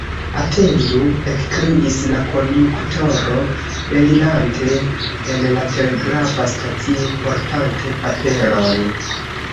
« Atendu! »ekkriis la konduktoro, elirante el la telegrafa stacio, portante paperon.